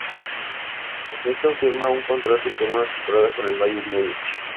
Tras esto firma un contrato por una temporada con el Bayern Múnich.